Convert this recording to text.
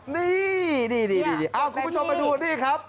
นี่เอาคุณสุพชกไปดูนี่ครับ